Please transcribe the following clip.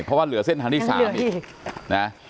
เพราะว่าเหลือเส้นทางที่๓อีกนะ